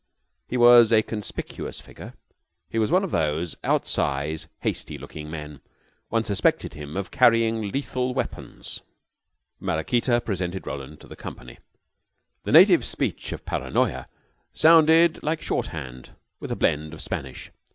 He was a conspicuous figure. He was one of those out size, hasty looking men. One suspected him of carrying lethal weapons. Maraquita presented Roland to the company. The native speech of Paranoya sounded like shorthand, with a blend of Spanish.